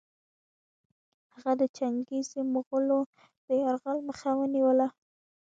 هغه د چنګېزي مغولو د یرغل مخه ونیوله.